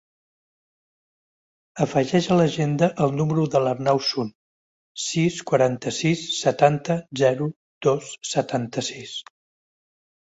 Afegeix a l'agenda el número de l'Arnau Sun: sis, quaranta-sis, setanta, zero, dos, setanta-sis.